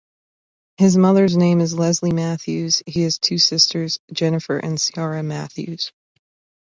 His mother's name is Leslie Matthews, he has two sisters, Jennifer and Ciara Matthews.